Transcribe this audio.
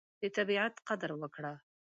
د طبیعت قدر وکړه.